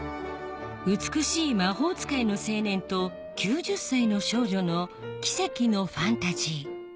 美しい魔法使いの青年と９０歳の少女の奇跡のファンタジー